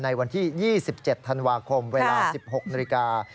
ในวันที่๒๗ธันวาคมเวลา๑๖นาฬิกา